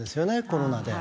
コロナで。